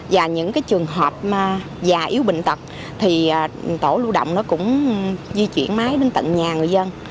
và những trường hợp già yếu bệnh tật thì tổ lưu động nó cũng di chuyển máy đến tận nhà người dân